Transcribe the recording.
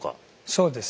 そうですね。